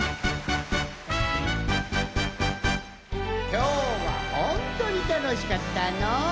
きょうはほんとにたのしかったのう。